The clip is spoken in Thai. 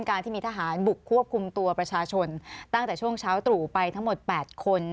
การที่มีทหารบุกควบคุมตัวประชาชนตั้งแต่ช่วงเช้าตรู่ไปทั้งหมด๘คน